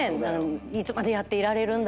いつまでやっていられるんだろう